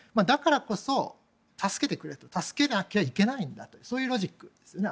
だからこそ、助けてくれと助けなきゃいけないんだとそういうロジックです。